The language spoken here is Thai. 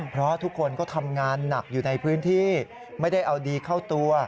เพราะทุกคนก็ทำงานหนักอยู่ในพื้นที่ไม่ได้เอาดีเข้าตัว